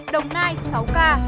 đồng nai sáu ca